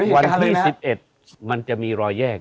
วันที่๑๑มันจะมีรอยแยก